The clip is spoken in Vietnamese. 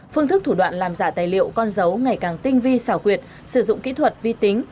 phương thức thủ đoạn làm giả tài liệu con dấu ngày càng tinh vi xảo quyệt sử dụng kỹ thuật vi tính